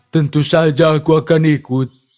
tentu saja aku akan ikut